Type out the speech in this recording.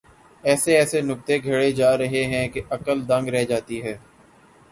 ایسے ایسے نکتے گھڑے جا رہے ہیں کہ عقل دنگ رہ جاتی ہے۔